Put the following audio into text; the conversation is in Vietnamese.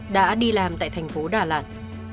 đã đi làm tại thành phố đà lạt